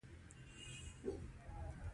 د تا زوی څومره لوړ ده